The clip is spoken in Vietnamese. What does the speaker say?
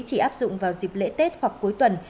chỉ áp dụng vào dịp lễ tết hoặc cuối tuần